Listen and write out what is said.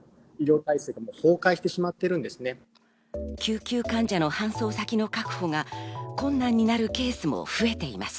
救急患者の搬送先の確保が困難になるケースも増えています。